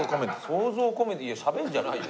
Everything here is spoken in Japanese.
想像を込めてしゃべるんじゃないよ。